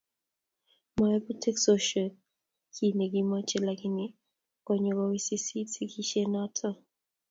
Maibu teksosiek kiekimoche lakini konye kowisisit sikishet noto